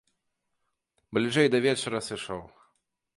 Бліжэй да вечара сышоў.